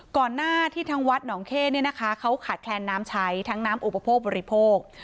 ก่อนหน้าที่ทั้งวัดน้องเคเขาขาดแคลนน้ำใช้ทั้งน้ำอุปโภคบริโภค